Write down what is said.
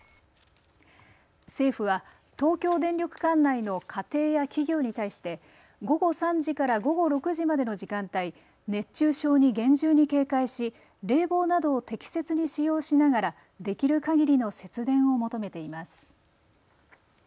政府は東京電力管内の家庭や企業に対して午後３時から午後６時までの時間帯、熱中症に厳重に警戒し冷房などを適切に使用しながらできるかぎりの節電を求めています。